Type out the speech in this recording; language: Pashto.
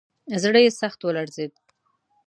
زړه یې سخت ولړزېد.